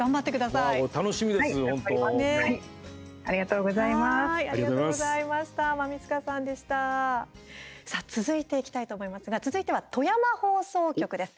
さあ、続いていきたいと思いますが続いては富山放送局です。